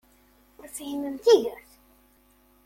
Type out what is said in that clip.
Ur tefhimem tigert!